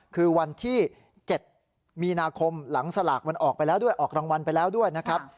คือวันที่๗มีนาคมหลังสลากมันออกไปแล้วด้วยออกรางวัลไปแล้วด้วยนะครับ